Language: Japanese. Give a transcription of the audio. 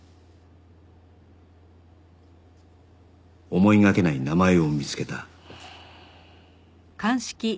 思いがけない名前を見つけた